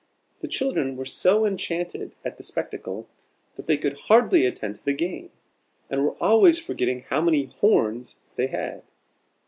The children were so enchanted at the spectacle, that they could hardly attend to the game, and were always forgetting how many "horns" they had.